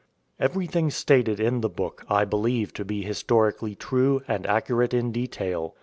^ Everything stated in the book I believe to be his torically true and accurate in detail.